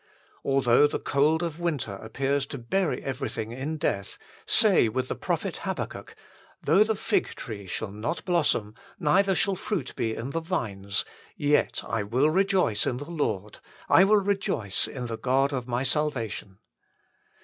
Although the cold of winter appears to bury everything in death, say with the prophet Habakkuk :" Though the fig tree shall not blossom, neither shall fruit be in the vines, yet I will rejoice in the Lord, I will joy in the God of my salvation."